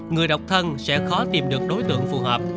người độc thân sẽ khó tìm được đối tượng phù hợp